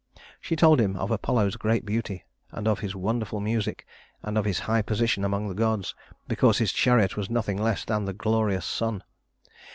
She told him of Apollo's great beauty, and of his wonderful music, and of his high position among the gods, because his chariot was nothing less than the glorious sun.